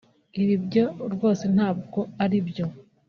Ibi byo rwose ntabwo ari byo